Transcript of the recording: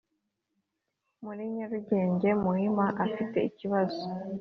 muri Nyarugugenge Muhima afite ikibazo